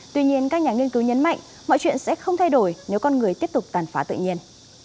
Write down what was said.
tuy nhiên các nhà nghiên cứu nhấn mạnh mọi chuyện sẽ không thay đổi nếu con người tiếp tục tàn phá tự nhiên